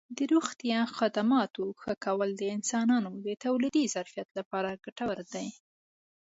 د روغتیا خدماتو ښه کول د انسانانو د تولیدي ظرفیت لپاره ګټور دي.